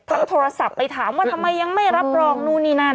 โทรศัพท์ไปถามว่าทำไมยังไม่รับรองนู่นนี่นั่น